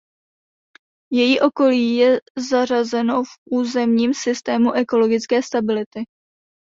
Její okolí je zařazeno v Územním systému ekologické stability.